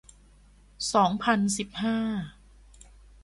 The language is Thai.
สองพันสิบห้า